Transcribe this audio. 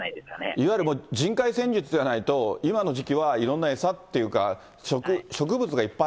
いわゆる、人海戦術じゃないと、今の時期は、いろんな餌ってそうです、そうです。